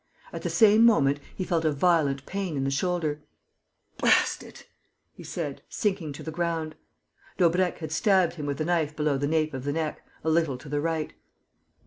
At the same moment, he felt a violent pain in the shoulder: "Blast it!" he said, sinking to the ground. Daubrecq had stabbed him with a knife below the nape of the neck, a little to the right.